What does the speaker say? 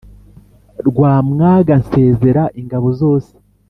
Rwamwaga nsezera ingabo zose